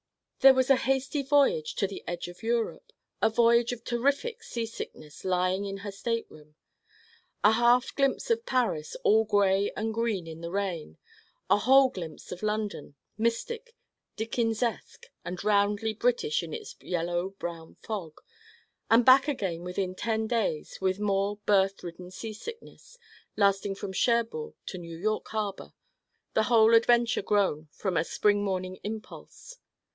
There was a hasty voyage to the edge of Europe a voyage of terrific seasickness lying in her stateroom: a half glimpse of Paris all gray and green in the rain: a whole glimpse of London, mystic, Dickensesque and roundly British in its yellow brown fog: and back again within ten days with more berth ridden seasickness lasting from Cherbourg to New York harbor: the whole adventure grown from a Spring morning impulse.